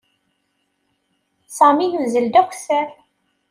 Sami yuzzel d akessar.